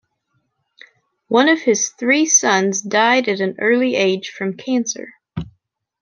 One of his three sons died at an early age from cancer.